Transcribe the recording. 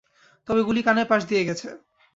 তবে গুলি কানের পাশ দিয়ে গেছে।